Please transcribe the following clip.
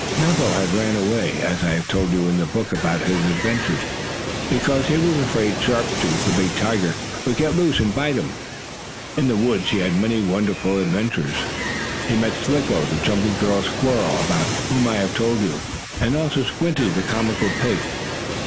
Mappo had run away, as I have told you in the book about his adventures, because he was afraid Sharp Tooth, the big tiger, would get loose and bite him. In the woods he had many wonderful adventures. He met Slicko, the jumping girl squirrel, about whom I have told you, and also Squinty, the comical pig.